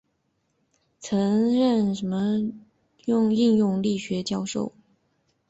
曾任卡尔斯鲁厄理工学院应用力学系教授。